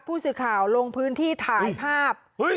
ผู้สื่อข่าวลงพื้นที่ถ่ายภาพ